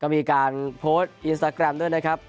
มีการโพสต์อินสตาแกรมด้วยนะครับ